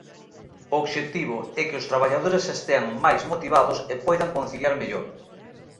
O obxectivo é que os traballadores estean máis motivados e poidan conciliar mellor.